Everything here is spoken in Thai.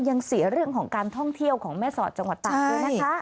ยังเสียเรื่องของการท่องเที่ยวของแม่สอดจังหวัดตากด้วยนะคะ